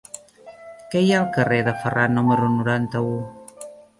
Què hi ha al carrer de Ferran número noranta-u?